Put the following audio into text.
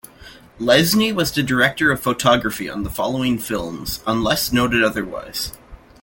Lesnie was the director of photography on the following films, unless noted otherwise.